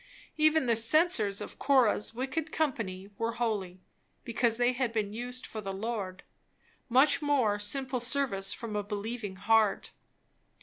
Even the censers of Korah's wicked company were holy, because they had been used for the Lord; much more simple service from a believing heart.